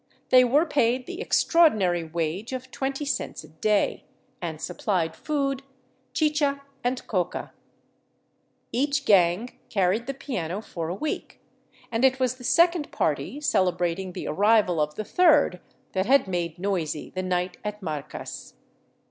They were paid the extraordinary wage of twenty cents a day, and supplied food, chicha, and coca. Each gang carried the piano for a week, and it was the second party celebrating the ar rival of the third that had made noisy the night at Marcas.